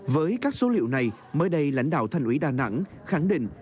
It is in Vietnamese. với các số liệu này mới đây lãnh đạo thành ủy đà nẵng khẳng định